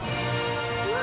うわ！